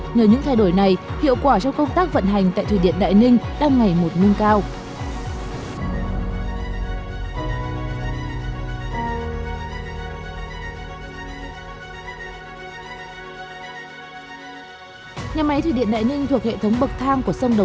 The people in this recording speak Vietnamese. nhờ những thay đổi này hiệu quả trong công tác vận hành tại thủy điện đại ninh đang ngày một nâng cao